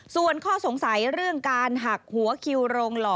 ส่วนข้อสงสัยเรื่องการหักหัวคิวโรงหล่อ